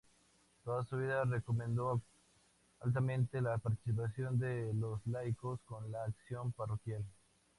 Toda su vida recomendó altamente la participación de los laicos en la acción parroquial.